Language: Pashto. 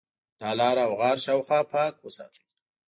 د ا لاره او غار شاوخوا پاک وساتئ.